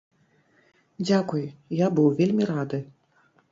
Дзякуй, я быў вельмі рады.